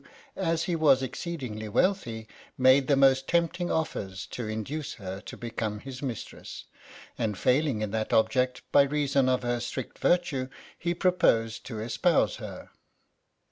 as lie was exceedingly wealthy, made the most tempting otters to induce her to become his mistress, and failing in that object by reason of her strict virtue, he proposed to espouse her.